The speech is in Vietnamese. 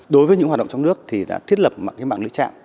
đối với những hoạt động trong nước thì đã thiết lập mạng lĩnh trạng